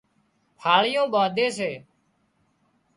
ڦاۯِيئون ٻانڌي سي